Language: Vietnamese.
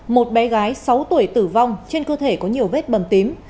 một bé gái sáu tuổi tử vong trên cơ thể có nhiều vết bầm tím